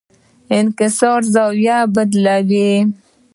انکسار زاویه بدلوي.